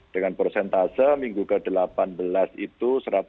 dan kita bisa lebih cepat